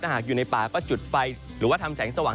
หากอยู่ในป่าก็จุดไฟหรือว่าทำแสงสว่าง